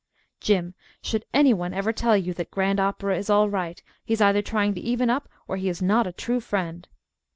Jim, should any one ever tell you that Grand Opera is all right, he is either trying to even up or he is not a true friend.